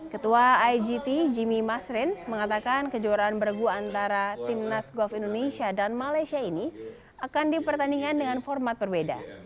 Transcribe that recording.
ketua igt jimmy masrin mengatakan kejuaraan bergu antara timnas golf indonesia dan malaysia ini akan dipertandingkan dengan format berbeda